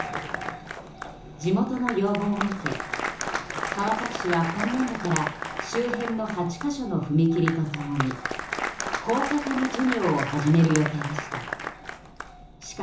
地元の要望を受け川崎市は今年度から周辺の８か所の踏切と共に高架化の事業を始める予定でした。